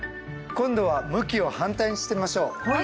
今度は向きを反対にしてみましょう。